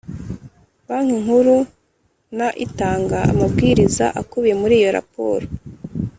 Banki Nkuru na itanga amabwiriza akubiye muri iyo raporo